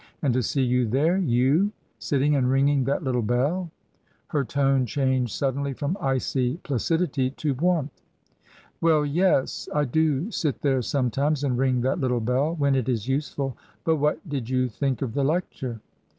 And to see you there— ^^«/ Sitting and ringing that little bell !" Her tone changed suddenly from icy placidity to warmth. " Well, yes ! I do sit there sometimes and ring that little bell — when it is useful. But what did you think of the lecture